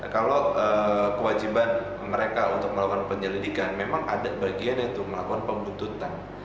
kalau kewajiban mereka untuk melakukan penyelidikan memang ada bagian itu melakukan pembuntutan